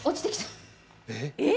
えっ！？